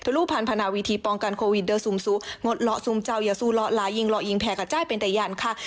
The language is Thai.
เพื่อรู้พันธุ์พันธุ์พันธุ์วิธีป้องกันโควิดเด้อสุมสุงดหลอกสุมเจ้าอย่าสู้หลอกหลายอิงหลอกอิงแพ้กับจ้ายเป็นแต่ยานค่ะ